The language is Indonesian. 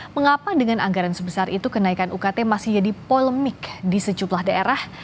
mengapa dengan anggaran sebesar itu kenaikan ukt masih jadi polemik di sejumlah daerah